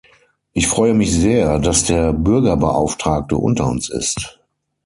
Ich freue mich sehr, dass der Bürgerbeauftragte unter uns ist.